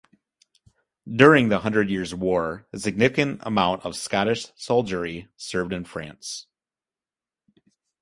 During the Hundred Years War, a significant amount of Scottish soldiery served in France.